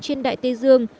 trên đại tây dương